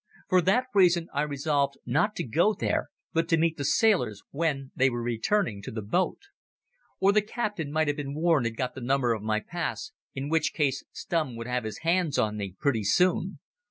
For that reason I resolved not to go there but to meet the sailors when they were returning to the boat. Or the captain might have been warned and got the number of my pass, in which case Stumm would have his hands on me pretty soon.